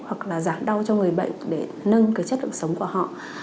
hoặc là giảm đau cho người bệnh để nâng cái chất lượng sống của họ